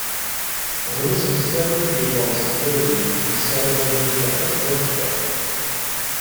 Drus n tektabin i d-yeffɣen s teqbaylit, nessaram ad ilint aṭas n wannect-a.